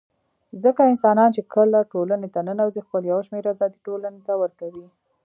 ځکه انسانان چي کله ټولني ته ننوزي خپل يو شمېر آزادۍ ټولني ته ورکوي